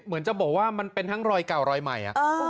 เหมือนจะบอกว่ามันเป็นทั้งรอยเก่ารอยใหม่